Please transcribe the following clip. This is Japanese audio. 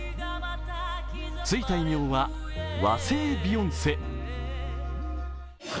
ついた異名は、和製ビヨンセ。